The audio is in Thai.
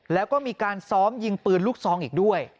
แล้วก็มีการซ้อมยิงปืนลูกซองอีกด้วย